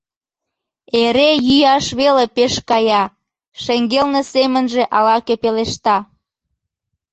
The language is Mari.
— Эре йӱаш веле пеш кая, — шеҥгелне семынже ала-кӧ пелешта.